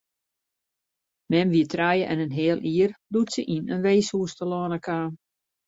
Mem wie trije en in heal jier doe't se yn in weeshûs telâne kaam.